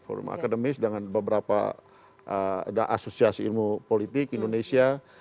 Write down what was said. forum akademis dengan beberapa asosiasi ilmu politik indonesia